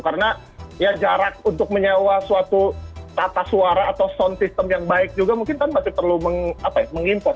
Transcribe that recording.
karena ya jarak untuk menyewa suatu tata suara atau sound system yang baik juga mungkin kan masih perlu mengimpor